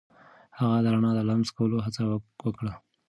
هغه د رڼا د لمس کولو هڅه وکړه.